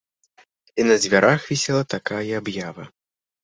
І на дзвярах вісела такая аб'ява.